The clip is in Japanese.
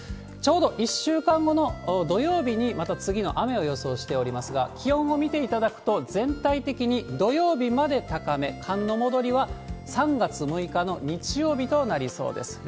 ちょうど１週間後の土曜日にまた次の雨を予想しておりますが、気温を見ていただくと、全体的に土曜日まで高め、寒の戻りは３月６日の日曜日となりそうです。